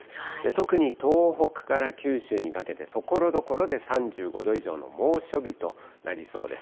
特に東北から九州にかけて、ところどころで３５度以上の猛暑日となりそうです。